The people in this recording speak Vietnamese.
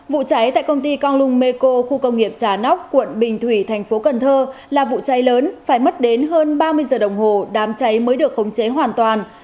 vụ cháy tại công ty congung meko khu công nghiệp trà nóc quận bình thủy thành phố cần thơ là vụ cháy lớn phải mất đến hơn ba mươi giờ đồng hồ đám cháy mới được khống chế hoàn toàn